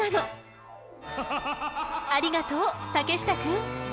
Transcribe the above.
ありがとう竹下くん！